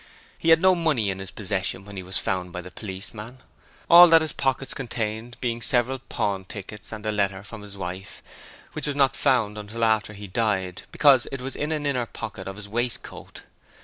He had no money in his possession when he was found by the policeman; all that his pockets contained being several pawn tickets and a letter from his wife, which was not found until after he died, because it was in an inner pocket of his waistcoat.